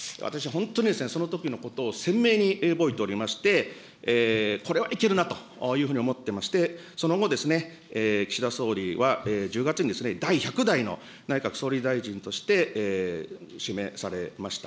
本当にそのときのことを鮮明に覚えておりまして、これはいけるなというふうに思ってまして、その後、岸田総理は１０月に第１００代の内閣総理大臣として、指名されました。